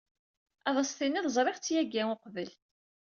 Ad as-tiniḍ ẓriɣ-tt yagi uqbel.